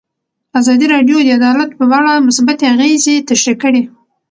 ازادي راډیو د عدالت په اړه مثبت اغېزې تشریح کړي.